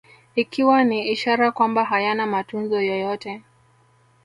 Ikiwa ni ishara kwamba hayana matunzo yoyote